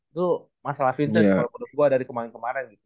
itu masalah vincent menurut gue dari kemarin kemarin gitu